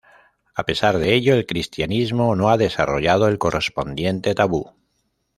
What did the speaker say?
A pesar de ello, el cristianismo no ha desarrollado el correspondiente tabú.